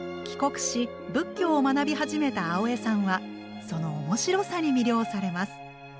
帰国し仏教を学び始めた青江さんはその面白さに魅了されます。